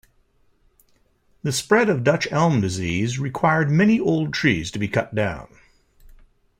The spread of Dutch elm disease required many old trees to be cut down.